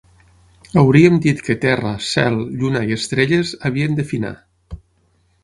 Hauríem dit que terra, cel, lluna i estrelles havien de finar.